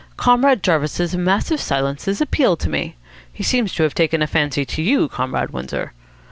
Comrade Jarvis's massive silences appeal to me. He seems to have taken a fancy to you, Comrade Windsor."